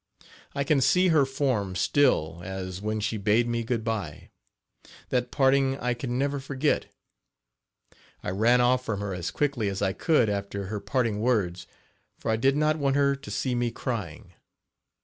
I can see her form still as when she bade me good bye. That parting I can never forget. I ran off from her as quickly as I could after her parting words, for I did not want her to see me crying.